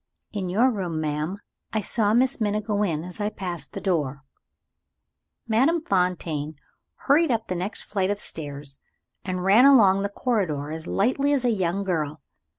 "In your room, madam. I saw Miss Minna go in as I passed the door." Madame Fontaine hurried up the next flight of stairs, and ran along the corridor as lightly as a young girl.